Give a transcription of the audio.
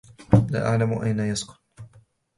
لا أعلم أين يسكن.